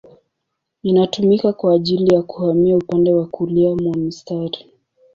Inatumika kwa ajili ya kuhamia upande wa kulia mwa mstari.